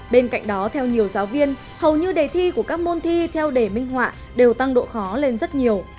bên cạnh đó theo nhiều giáo viên hầu như đề thi của các môn thi theo đề minh họa đều tăng độ khó lên rất nhiều